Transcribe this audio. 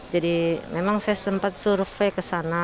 jadi memang saya sempat survei ke sana